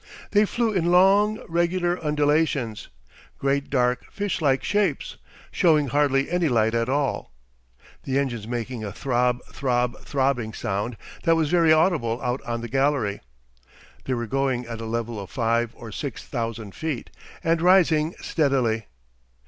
They flew in long, regular undulations, great dark fish like shapes, showing hardly any light at all, the engines making a throb throb throbbing sound that was very audible out on the gallery. They were going at a level of five or six thousand feet, and rising steadily.